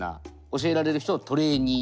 教えられる人をトレーニー。